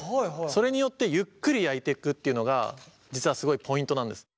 それによってゆっくり焼いていくっていうのが実はすごいポイントなんです。